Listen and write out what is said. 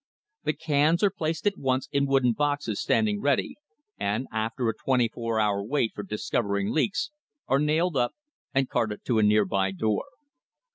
The cans are placed at once in wooden boxes standing ready, and, after a twenty four hour wait for dis covering leaks, are nailed up and carted to a near by door.